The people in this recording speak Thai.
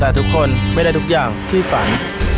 แต่ทุกคนไม่ได้ทุกอย่างที่ฝัน